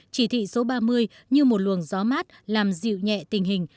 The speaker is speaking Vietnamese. chỉ thị số ba mươi như một luồng gió mát làm dịu nhẹ tình hình